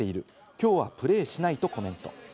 きょうはプレーしないとコメント。